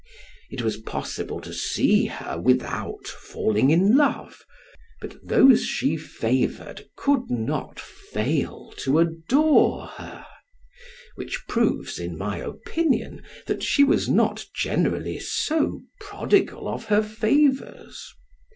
It was possible to see her without falling in love, but those she favored could not fail to adore her; which proves, in my opinion, that she was not generally so prodigal of her favors.